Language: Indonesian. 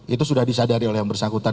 itu sudah disadari oleh yang bersangkutan